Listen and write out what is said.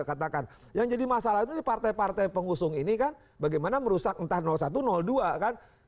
katakan yang jadi masalah itu di partai partai pengusung ini kan bagaimana merusak entah satu dua kan